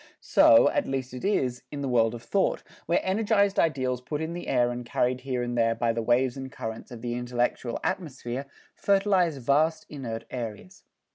So, at least it is, in the world of thought, where energized ideals put in the air and carried here and there by the waves and currents of the intellectual atmosphere, fertilize vast inert areas.